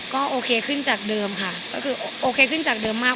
ก็โอเคขึ้นจากเดิมค่ะก็คือโอเคขึ้นจากเดิมมาก